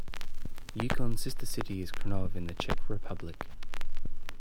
Yukon's sister city is Krnov in the Czech Republic.